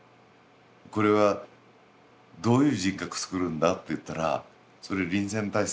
これはどういう人格つくるんだっていったらそれ臨戦態勢だよね。